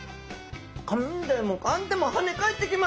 かんでもかんでも跳ね返ってきます。